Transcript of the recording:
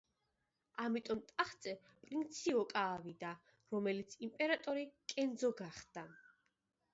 ამიტომ ტახტზე პრინცი ოკა ავიდა, რომელიც იმპერატორი კენძო გახდა.